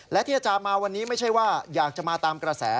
และที่อาจารย์มาวันนี้ไม่ใช่ว่าอยากจะมาตามกระแส